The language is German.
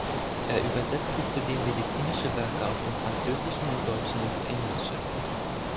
Er übersetzte zudem medizinische Werke aus dem Französischen und Deutschen ins Englische.